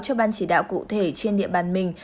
cho ban chỉ đạo cụ thể trên địa bàn mình